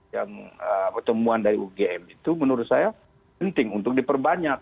yang pertemuan dari ugm itu menurut saya penting untuk diperbanyak